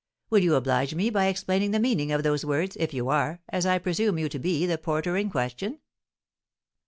Will you oblige me by explaining the meaning of those words, if you are, as I presume you to be, the porter in question?"